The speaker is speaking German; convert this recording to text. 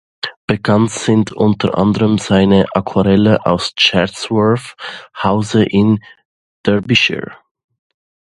Bekannt sind unter anderem seine Aquarelle aus Chatsworth House in Derbyshire.